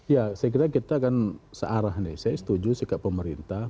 ya saya kira kita akan searah nih saya setuju sikap pemerintah